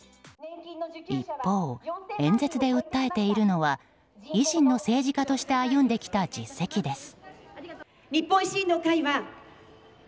一方、演説で訴えているのは維新の政治家として歩んできた実績です。